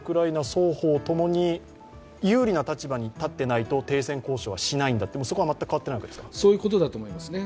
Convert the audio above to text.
双方ともに有利な立場に立っていないと停戦交渉はしないんだとそこは全く変わってないんですか？